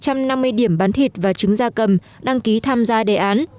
trợ bến thành có hai mươi quầy sạp bán thịt da cầm và trứng da cầm đăng ký tham gia đề án